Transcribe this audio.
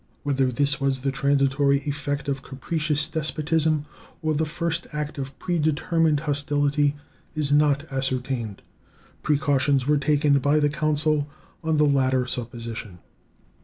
Whether this was the transitory effect of capricious despotism or the first act of predetermined hostility is not ascertained. Precautions were taken by the consul on the latter supposition.